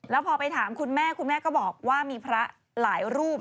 แล้วพอไปถามคุณแม่คุณแม่ก็บอกว่ามีพระหลายรูป